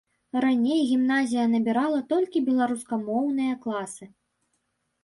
Раней гімназія набірала толькі беларускамоўныя класы.